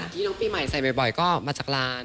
ที่น้องปีใหม่ใส่บ่อยก็มาจากร้าน